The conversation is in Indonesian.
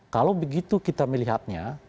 kalau begitu kita melihatnya